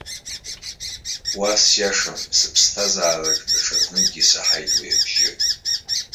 Уа сиашам, сыԥсҭазаараҿы даҽазныкгьы исаҳаит уи абжьы!